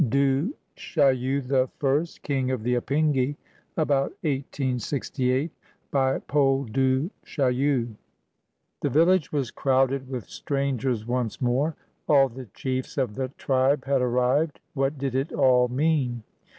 DU CHAILLU THE FIRST, KING OF THE APINGI [About 1868] BY PAUL DU CHAILLU The village was crowded with strangers once more. All the chiefs of the tribe had arrived. What did it all mean?